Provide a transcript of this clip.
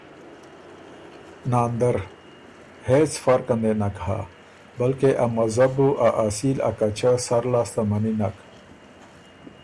ناندرـــ هېڅ فرقن دې نک هۀ بلکې ا مذهب بُو ا اصیل ا کچۀ سر لاسته منی نک